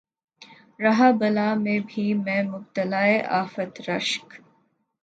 رہا بلا میں بھی میں مبتلائے آفت رشک